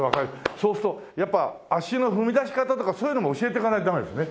そうするとやっぱ足の踏み出し方とかそういうのも教えていかないとダメですね。